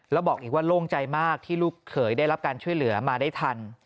แล้วบอกอีกว่าโล่งใจมากที่ลูกเขยได้รับการช่วยเหลือมาได้ทัน